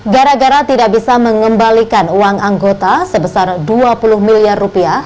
gara gara tidak bisa mengembalikan uang anggota sebesar dua puluh miliar rupiah